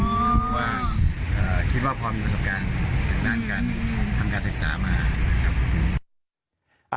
เพราะว่าคิดว่าพอมีประสบการณ์อย่างนั้นกันทำการศักดิ์ศาสตร์มาก